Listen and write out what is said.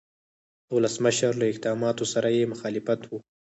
د ولسمشر له اقداماتو سره یې مخالفت و.